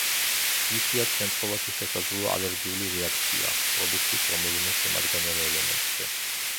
იშვიათ შემთხვევაში შესაძლოა ალერგიული რეაქცია, პროდუქტის რომელიმე შემადგენელ ელემენტზე.